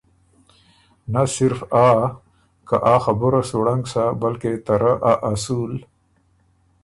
نۀ صرف آ که آ خبُره سُو ړنګ سۀ بلکې ته رۀ ا اصول،